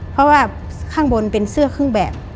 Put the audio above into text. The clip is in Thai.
เพราะว่าข้างบนเป็นเสื้อเครื่องแบบ